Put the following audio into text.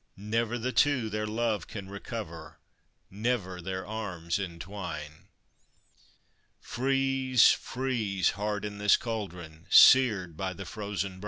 Never the two their love can recover, Never their arms entwine. Freeze ! Freeze / Heart in this cauldron, Seared by the frozen brine